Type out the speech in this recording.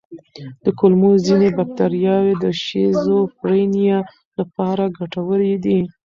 د کولمو ځینې بکتریاوې د شیزوفرینیا لپاره ګټورې دي.